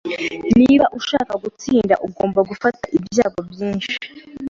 Niba ushaka gutsinda, ugomba gufata ibyago byinshi.